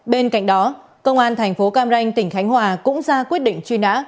bên cạnh đó công an thành phố cam ranh tỉnh khánh hòa cũng ra quyết định truy nã